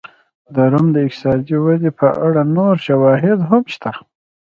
د روم د اقتصادي ودې په اړه نور شواهد هم شته